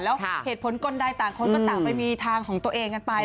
แล้วเหตุผลกลใดต่างคนก็ต่างไปมีทางของตัวเองกันไป